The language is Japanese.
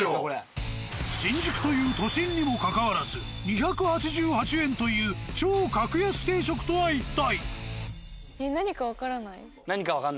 新宿という都心にもかかわらず２８８円という超格安定食とは一体！？